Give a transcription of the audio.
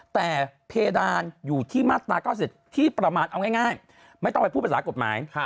แต่เพดานอยู่ที่มาตรา๙๐ที่ประมาณเอาง่ายไม่ต้องไปพูดภาษากฎหมาย